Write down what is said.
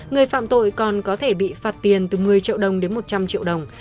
người phạm tội còn có thể bị phạt tiền từ một mươi triệu đồng đến một trăm linh triệu đồng